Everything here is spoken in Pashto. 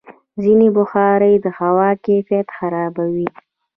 ځینې بخارۍ د هوا کیفیت خرابوي.